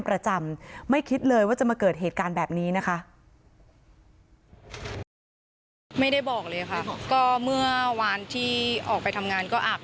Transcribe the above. ประจำไม่คิดเลยว่าจะมาเกิดเหตุการณ์แบบนี้นะคะ